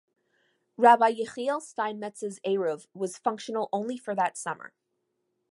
Rabbi Yechiel Steinmetz's Eruv was functional only for that summer.